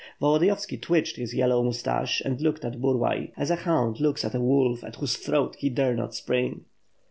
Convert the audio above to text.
Volodiyovski twitched his yellow moustache and looked at Burlay, as a hound looks at the wolf at whose throat he dare not spring.